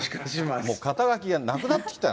もう肩書がなくなってきた。